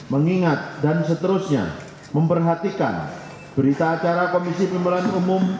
mengingat dan seterusnya memperhatikan berita acara komisi pemilihan umum